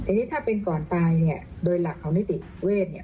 อันนี้ถ้าเป็นก่อนตายโดยหลักของนิติเวทย์